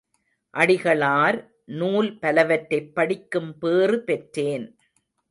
அடிகளார் நூல் பலவற்றைப் படிக்கும் பேறு பெற்றேன்.